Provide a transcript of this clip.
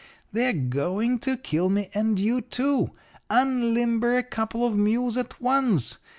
'They're going to kill me and you, too. Unlimber a couple of mules at once.